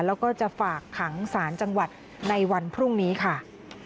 แล้วก็จะฝากขังสารจังหวัดในวันพรุ่งนี้ค่ะ